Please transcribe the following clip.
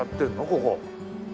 ここ。